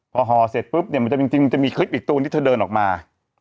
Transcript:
พอห่อเสร็จปุ๊บเนี่ยมันจะจริงมันจะมีคลิปอีกตูนที่เธอเดินออกมา